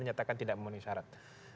menyatakan tidak memenuhi syarat